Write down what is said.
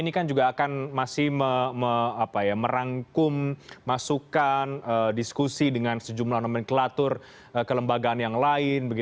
ini kan juga akan masih merangkum masukan diskusi dengan sejumlah nomenklatur kelembagaan yang lain